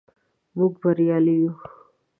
موږ بریالي یو.